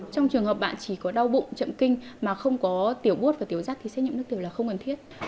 trong trường hợp bạn chỉ có đau bụng chậm kinh mà không có tiểu bút và tiểu dắt thì xét nghiệm nước tiểu là không cần thiết